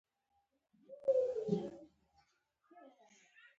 هغه د هغې غږ په بشپړ ډول واورېد.